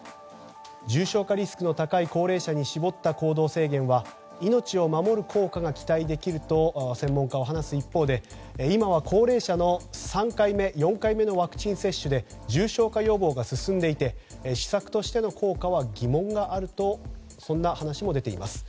重症化リスクの高い高齢者に絞った行動制限は命を守る効果が期待できると専門家が話す一方で今は高齢者の３回目、４回目のワクチン接種で重症化予防が進んでいて施策としての効果は疑問があるというそんな話も出ています。